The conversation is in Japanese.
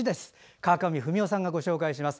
川上文代さんがご紹介します。